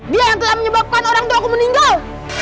dia yang telah menyebabkan orangtuaku meninggal